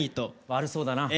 悪そうだな。